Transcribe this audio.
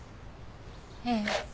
ええ。